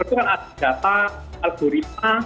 itu kan ada data algoritma